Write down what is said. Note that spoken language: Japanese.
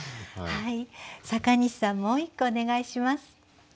はい阪西さんもう一句お願いします。